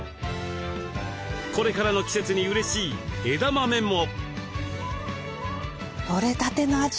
これからの季節にうれしい枝豆も。